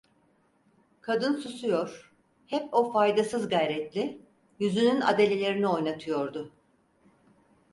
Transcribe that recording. Kadın susuyor, hep o faydasız gayretle yüzünün adalelerini oynatıyordu.